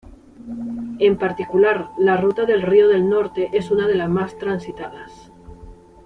En particular la ruta del Río del Norte es una de las más transitadas.